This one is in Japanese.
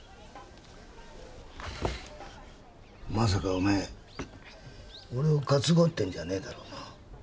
まさかお前俺を担ごうってんじゃねえだろうな？